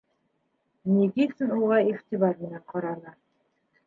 Никитин уға иғтибар менән ҡараны: